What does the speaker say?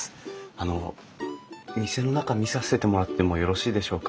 あの店の中見させてもらってもよろしいでしょうか？